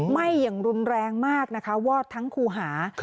ไหม้อย่างรุนแรงมากนะคะวอดทั้งคู่หา